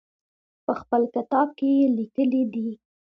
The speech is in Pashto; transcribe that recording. په خپل کتاب کې یې لیکلي دي.